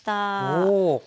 おお！